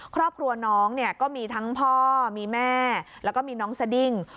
ครอบครัวน้องเนี่ยก็มีทั้งพ่อมีแม่แล้วก็มีน้องสดิ้ง